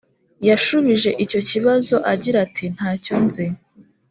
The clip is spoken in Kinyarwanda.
yashubije icyo kibazo agira ati ntacyo nzi